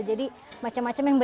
kita mengenal karakter jemparingnya